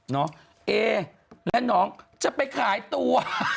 เนาะเอและนางจะไปขายตัว